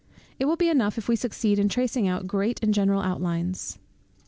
It will be enough if we succeed in tracing out great and general outlines.